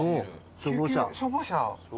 消防車？